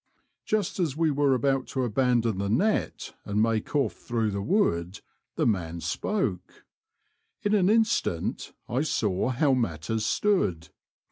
Just as we were about to abandon the net and make off through the wood, the man spoke. In an instant I saw how matters stood.